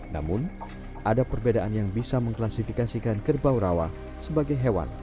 namun ada perbedaan yang bisa mengklasifikasikan kerbau rawa sebagai hewan